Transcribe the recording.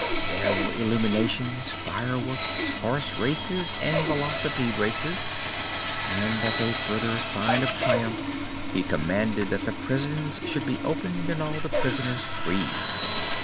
There were illuminations, fireworks, horse races and velocipede races, and as a further sign of triumph he commanded that the prisons should be opened and all the prisoners freed.